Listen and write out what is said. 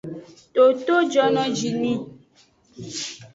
Toto jonojini.